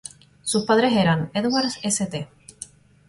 Sus padres eran Edward St.